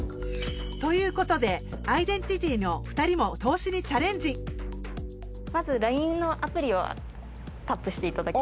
ということでアイデンティティの２人もまずＬＩＮＥのアプリをタップしていただき。